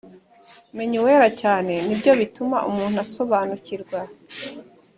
menya uwera cyane ni byo bituma umuntu asobanukirwa